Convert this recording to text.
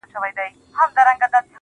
لكه ملا.